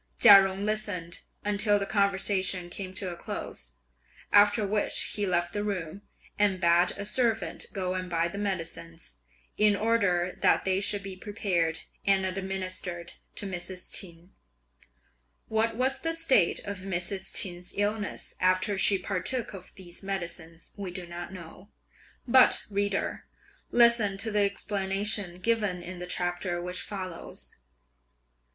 Chia Jung listened until the conversation came to a close, after which he left the room, and bade a servant go and buy the medicines, in order that they should be prepared and administered to Mrs. Ch'in. What was the state of Mrs. Ch'in's illness, after she partook of these medicines, we do not know; but, reader, listen to the explanation given in the chapter which follows.